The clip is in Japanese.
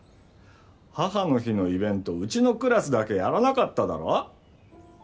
母の日のイベントうちのクラスだけやらなかっただろ？